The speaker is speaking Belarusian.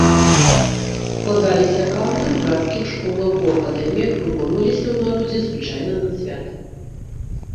Складаліся канты ў брацкіх школах, у акадэміях, выконваліся ў народзе звычайна на святы.